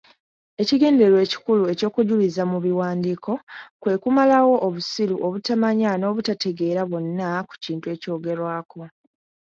Ekigendererwa ekikulu ekyokujuliza mu biwandiiko kwe kumalawo obussiru, obutamanya n'obatategeera bwonna ku kintu ekyogerwako.